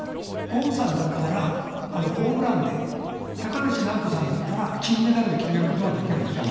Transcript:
王さんだったらホームランで、高橋尚子さんだったら金メダルで決めることができるんですよ。